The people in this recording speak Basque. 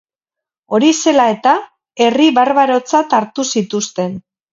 Hori zela eta, herri barbarotzat hartu zituzten.